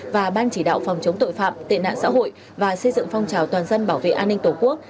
và ban chỉ đạo phòng chống tội phạm tệ nạn xã hội và xây dựng phong trào toàn dân bảo vệ an ninh tổ quốc